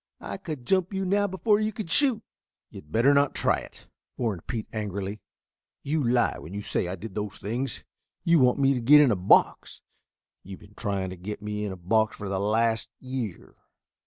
I could jump you now before you could shoot." "You'd better not try it," warned Pete angrily. "You lie when you say I did those things. You want to get me in a box. You've been trying to get me in a box for the last year."